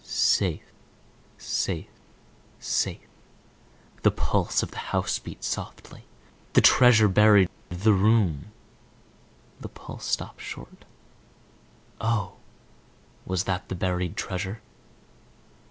"Safe, safe, safe," the pulse of the house beat softly. "The treasure buried; the room…" the pulse stopped short. Oh, was that the buried treasure?